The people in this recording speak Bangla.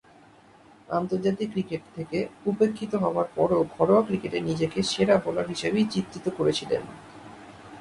আন্তর্জাতিক ক্রিকেট থেকে উপেক্ষিত হবার পরও ঘরোয়া ক্রিকেটে নিজেকে সেরা বোলার হিসেবেই চিত্রিত করেছিলেন।